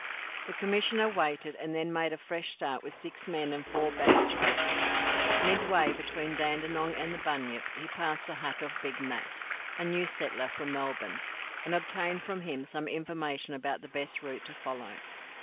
The commissioner waited, and then made a fresh start with six men and four baggage horses. Midway between Dandenong and the Bunyip he passed the hut of Big Mat, a new settler from Melbourne, and obtained from him some information about the best route to follow.